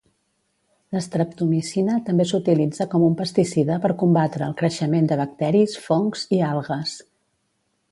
L'estreptomicina també s'utilitza com un pesticida per combatre el creixement de bacteris, fongs i algues.